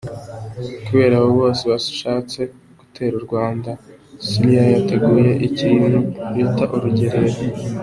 Kubera abo bose bashatse gutera u Rwanda, Cyilima yateguye ikintu bita urugerero.